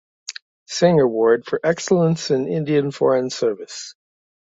Singh Award for Excellence in Indian Foreign Service.